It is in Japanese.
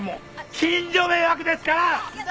近所迷惑ですから！